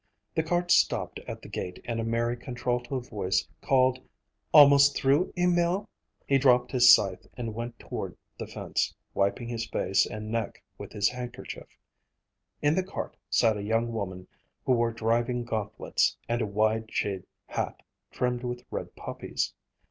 The cart stopped at the gate and a merry contralto voice called, "Almost through, Emil?" He dropped his scythe and went toward the fence, wiping his face and neck with his handkerchief. In the cart sat a young woman who wore driving gauntlets and a wide shade hat, trimmed with red poppies.